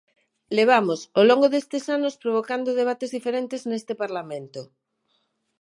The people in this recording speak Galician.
Levamos, ao longo destes anos, provocando debates diferentes neste Parlamento.